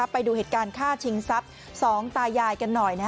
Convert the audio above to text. ไปดูเหตุการณ์ฆ่าชิงทรัพย์๒ตายายกันหน่อย